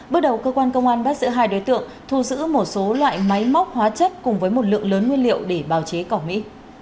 bước đầu cơ quan công an bắt giữ hai đối tượng thu giữ một số loại máy móc hóa chất cùng với một lượng lớn nguyên liệu để bào chế cỏ mỹ